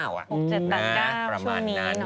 วันนี้วันที่เท่าไร๖ปี